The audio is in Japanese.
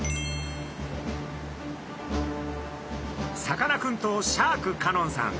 さかなクンとシャーク香音さん